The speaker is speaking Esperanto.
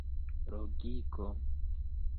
logiko